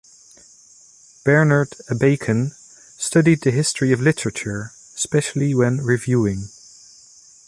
Bernhard Abeken studied the history of literature, specially when reviewing.